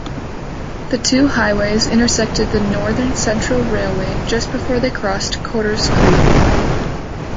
The two highways intersected the Northern Central Railway just before they crossed Codorus Creek.